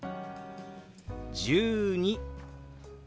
「１２」。